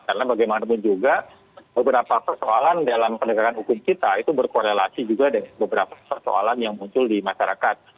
karena bagaimanapun juga beberapa persoalan dalam penegakan hukum kita itu berkorelasi juga dengan beberapa persoalan yang muncul di masyarakat